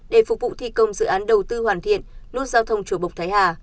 để phục vụ thi công dự án đầu tư hoàn thiện nút giao thông chùa bục thái hà